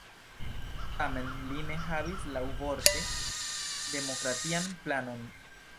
Tamen li ne havis laŭvorte demokratian planon.